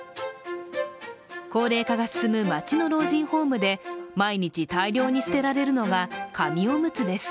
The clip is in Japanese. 高齢化が進む町の老人ホームで毎日、大量に捨てられるのが紙おむつです。